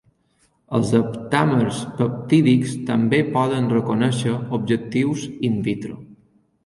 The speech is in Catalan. Els aptàmers peptídics també poden reconèixer objectius "in vitro".